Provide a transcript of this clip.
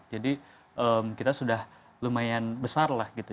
jadi kita sudah lumayan besar lah gitu